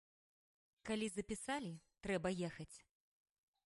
Калі запісалі, трэба ехаць.